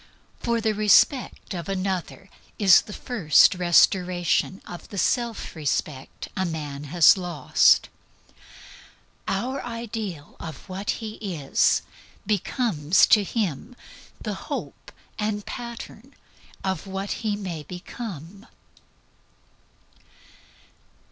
The respect of another is the first restoration of the self respect a man has lost; our ideal of what he is becomes to him the hope and pattern of what he may become.